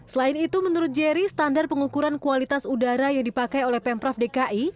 selain itu menurut jerry standar pengukuran kualitas udara yang dipakai oleh pemprov dki